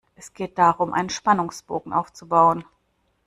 Es geht darum, einen Spannungsbogen aufzubauen.